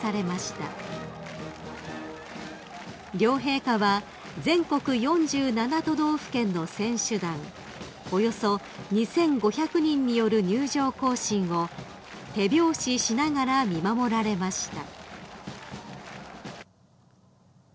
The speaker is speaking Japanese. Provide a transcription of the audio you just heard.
［両陛下は全国４７都道府県の選手団およそ２，５００人による入場行進を手拍子しながら見守られました］